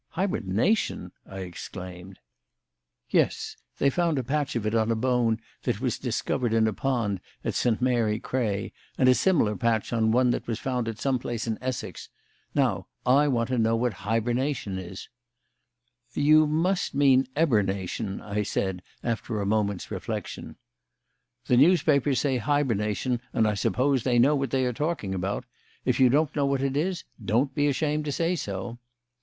"Hibernation!" I exclaimed. "Yes. They found a patch of it on a bone that was discovered in a pond at St. Mary Cray, and a similar patch on one that was found at some place in Essex. Now, I want to know what 'hibernation' is." "You must mean 'eburnation,'" I said, after a moment's reflection. "The newspapers say 'hibernation,' and I suppose they know what they are talking about. If you don't know what it is, don't be ashamed to say so."